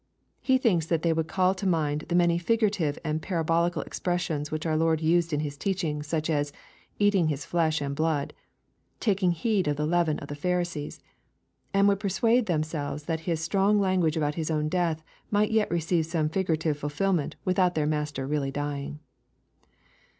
He thinks that they would call to mind the many figurative and parabolical expressions which our Lord used in His teaching, such as " eating His flesh and blood," —" taking heed of tlie leaven of the Pharisees," — and would persuade themselves that His strong language about His own death might yet receive some figurative fulfilment without their Master really dying.